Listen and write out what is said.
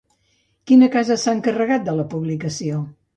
Quina casa s'ha encarregat de la publicació?